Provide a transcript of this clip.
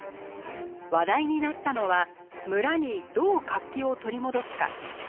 話題になったのは村にどう活気を取り戻すか。